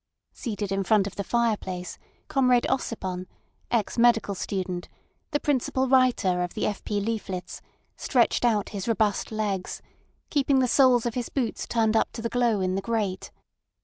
Seated in front of the fireplace, Comrade Ossipon, ex medical student, the principal writer of the F. P. leaflets, stretched out his robust legs, keeping the soles of his boots turned up to the glow in the grate.